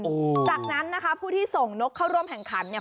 โอ้โหจากนั้นนะคะผู้ที่ส่งนกเข้าร่วมแข่งขันเนี่ย